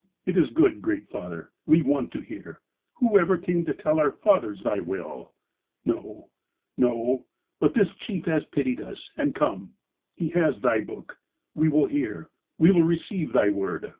It is good. Great Father. We want to hear. Who ever came to tell our fathers Thy will ? No — no. But this chief has pitied us, and come. He has Thy Book. We will hear. We will receive Thy Word.